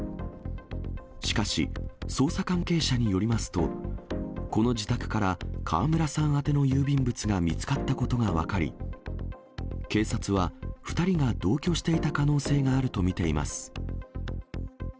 しかし、捜査関係者によりますと、この自宅から川村さん宛ての郵便物が見つかったことが分かり、警察は２人が同居していた可能性があると見ています。